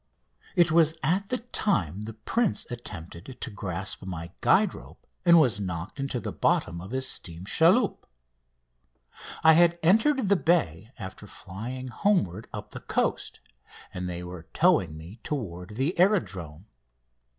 6"] It was at the time the prince attempted to grasp my guide rope and was knocked into the bottom of his steam chaloupe. I had entered the bay after flying homeward up the coast, and they were towing me toward the aerodrome.